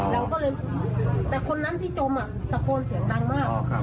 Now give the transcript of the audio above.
แล้วก็เลยแต่คนนั้นที่จมอ่ะตะโกนเสียงดังมากอ๋อครับ